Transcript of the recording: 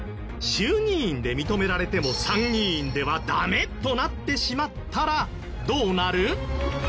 衆議院で認められても参議院ではダメとなってしまったらどうなる？